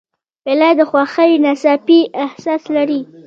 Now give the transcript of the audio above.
پیاله د خوښۍ ناڅاپي احساس لري.